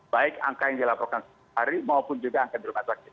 baik angka yang dilaporkan hari maupun juga angka di rumah sakit